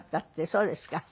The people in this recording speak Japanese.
そうですね。